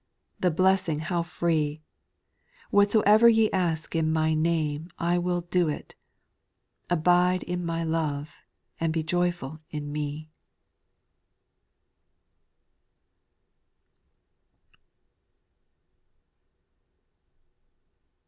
the blessing how free I " Whatsoever ye ask in my name, I will do it." Abide in my love, and be joyful in me."